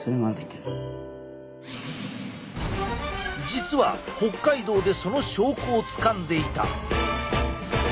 実は北海道でその証拠をつかんでいた。